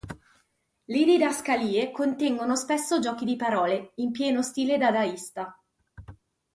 Le didascalie contengono spesso giochi di parole, in pieno stile dadaista.